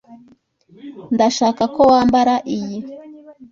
Ndashaka ko wambara iyi.